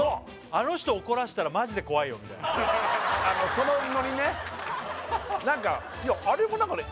あの人怒らせたらマジで怖いよみたいなそのノリねあれも何かね